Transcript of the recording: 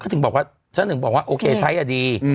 เขาถึงบอกว่าฉันถึงบอกว่าโอเคใช้อ่ะดี